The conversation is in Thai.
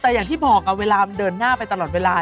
แต่อย่างที่บอกเวลามันเดินหน้าไปตลอดเวลา